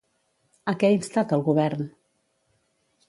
A què ha instat el govern?